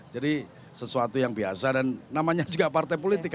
jadi sesuatu yang biasa dan namanya juga partai politik